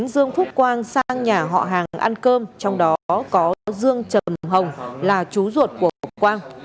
dương phúc quang sang nhà họ hàng ăn cơm trong đó có dương trầm hồng là chú ruột của ngọc quang